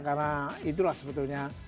karena itulah sebetulnya